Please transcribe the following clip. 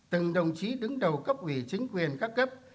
từng đồng chí đứng đầu cấp ủy chính quyền các cấp